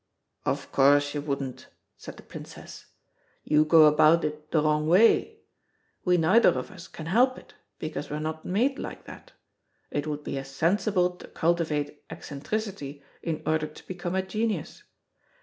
"Of course you wouldn't," said the Princess. "You go about it the wrong way. We neither of us can help it, because we're not made like that. It would be as sensible to cultivate eccentricity in order to become a genius.